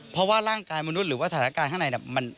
เพราะว่าร่างกายมนุษย์หรือว่าสถานการณ์ข้างใน